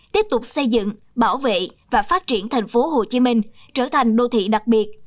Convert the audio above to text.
tiếp tục xây dựng bảo vệ và phát triển thành phố hồ chí minh trở thành đô thị đặc biệt